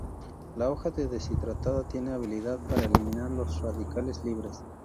La hoja deshidratada tiene habilidad para eliminar los radicales libres.